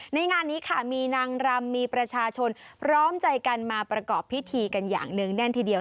งานนี้ค่ะมีนางรำมีประชาชนพร้อมใจกันมาประกอบพิธีกันอย่างเนื่องแน่นทีเดียว